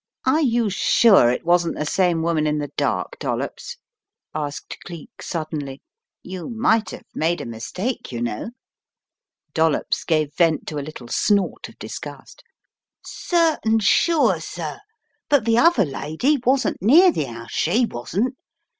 "Are you sure it wasn't the same woman in the dark, Dollops?" asked Cleek, suddenly, "you might have made a mistake, you know." Dollops gave vent to a little snort of disgust. "Certain sure, sir, but the other lady wasn't near the house she wasn't.